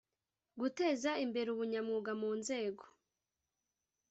guteza imbere ubunyamwuga mu nzego